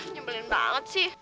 nyebelin banget sih